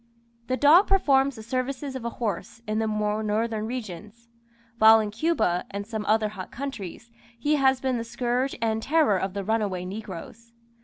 The dog performs the services of a horse in the more northern regions; while in Cuba and some other hot countries, he has been the scourge and terror of the runaway negroes.